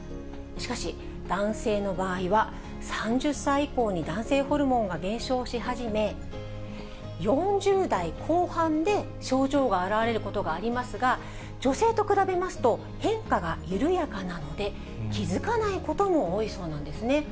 しかし、男性の場合は、３０歳以降に男性ホルモンが減少し始め、４０代後半で症状が現れることがありますが、女性と比べますと、変化が緩やかなので、気付かないことも多いそうなんですね。